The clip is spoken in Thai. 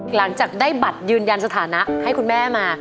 หลังจากได้บัตรยืนยันสถานะให้คุณแม่มา